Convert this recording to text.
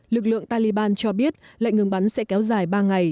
lực lượng taliban cho biết lệnh ngừng bắn sẽ kéo dài ba ngày